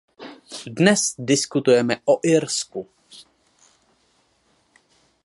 Dnes diskutujeme o Irsku.